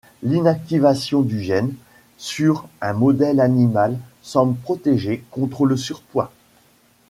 L'inactivation du gène, sur un modèle animal, semble protéger contre le surpoids.